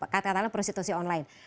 katakanlah prostitusi online